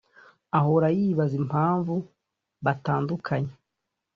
ahora yibaza impamvu batandukanye